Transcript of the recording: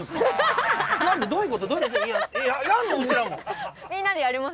どういうこと？